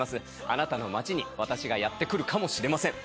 あなたの街に私がやって来るかもしれません。